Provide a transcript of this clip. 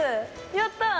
やったー！